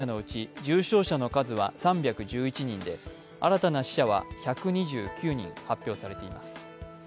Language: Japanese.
全国で入院している感染者のうち重症者の数は３１１人で新たな死者は１２９人発表されています。